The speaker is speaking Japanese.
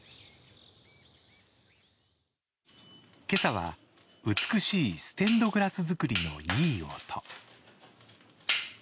今朝は美しいステンドグラス作りのいい音。